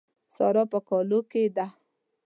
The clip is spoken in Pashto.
سارا په کالو کې ده.